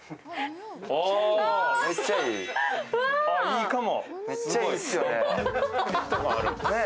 いいかも。